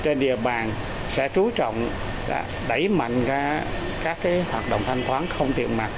trong năm tới năm hai nghìn hai mươi hai thì trên địa bàn sẽ trú trọng đẩy mạnh các hoạt động thanh toán không tiện mặt